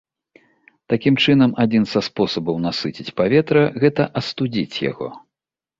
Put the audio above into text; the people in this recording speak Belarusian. Такім чынам, адзін са спосабаў насыціць паветра, гэта астудзіць яго.